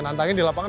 nantangin di lapangan